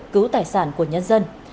cứu tài sản của nhân dân